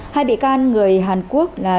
hai bị can người hàn quốc là